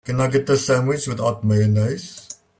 Can I get the sandwich without mayonnaise?